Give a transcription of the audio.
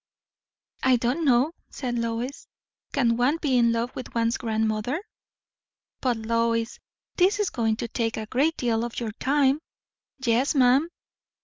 "I don't know," said Lois. "Can't one be in love with one's grandmother?" "But, Lois, this is going to take a great deal of your time." "Yes, ma'am."